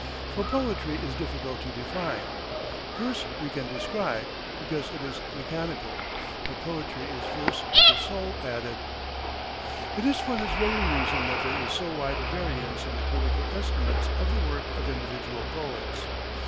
For poetry is difficult to define. Verse we can describe, because it is mechanical; but poetry is verse with a soul added. It is for this very reason that there is so wide a variance in the critical estimates of the work of individual poets.